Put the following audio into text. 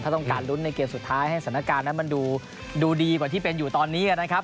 ต้องการลุ้นในเกมสุดท้ายให้สถานการณ์นั้นมันดูดีกว่าที่เป็นอยู่ตอนนี้นะครับ